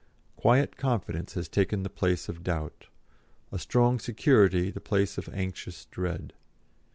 Quiet confidence has taken the place of doubt; a strong security the place of anxious dread.